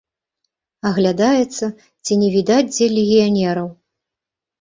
Аглядаецца, ці не відаць дзе легіянераў.